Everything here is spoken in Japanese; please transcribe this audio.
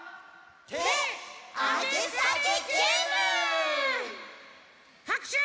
「てあげさげゲーム」！はくしゅ！